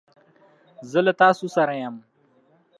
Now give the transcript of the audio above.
زه له تاسو سره یم.